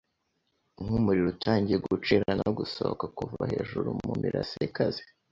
nkumuriro utangiye gucira no gusohoka kuva hejuru mumirase ikaze